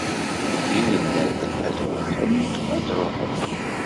Nekkni, nenna-d ad tṛuḥem, ad tṛuḥem.